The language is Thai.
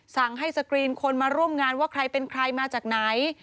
สั่งให้สกรีนคนมาร่วมงานว่าใครเป็นใครมาจากไหน